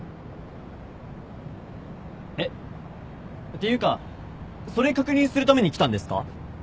ていうかそれ確認するために来たんですか？